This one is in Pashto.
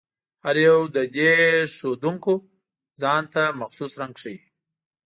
هر یو له دې ښودونکو ځانته مخصوص رنګ ښيي.